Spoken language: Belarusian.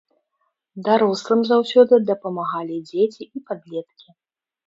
Дарослым заўсёды дапамагалі дзеці і падлеткі.